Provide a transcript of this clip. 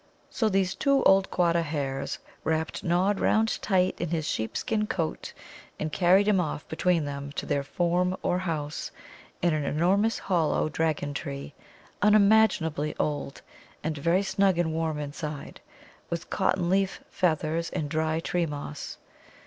So these two old Quatta hares wrapped Nod round tight in his sheep skin coat, and carried him off between them to their form or house in an enormous hollow Dragon tree unimaginably old, and very snug and warm inside, with cotton leaf, feathers, and dry tree moss.